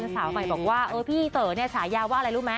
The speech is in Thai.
สาวใหม่บอกว่าพี่เต๋อเนี่ยฉายาว่าอะไรรู้ไหม